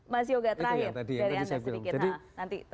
mas yoga terakhir dari anda sedikit